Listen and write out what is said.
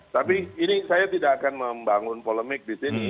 tapi ini saya tidak akan membangun polemik di sini